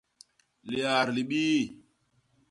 Liat libii.